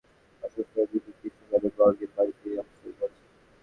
চিরকুমার বাজপেয়ি দীর্ঘদিন ধরে অসুস্থ হয়ে দিল্লির কৃষ্ণ মেনন মার্গের বাড়িতে অবস্থান করছেন।